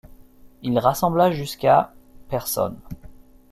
Il rassembla jusqu'à personnes.